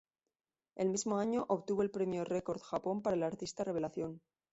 El mismo año, obtuvo el Premio Record Japón para el artista revelación.